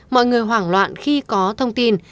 mọi người hoảng loạn khi có thông tin